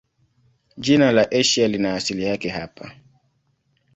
Jina la Asia lina asili yake hapa.